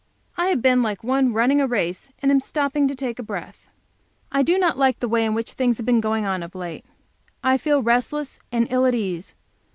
I have been like one running a race, and am stopping to take breath. I do not like the way in which things have been going on of late. I feel restless and ill at ease.